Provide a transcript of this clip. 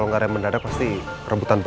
sampai jumpa di video selanjutnya